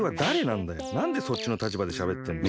なんでそっちのたちばでしゃべってんの。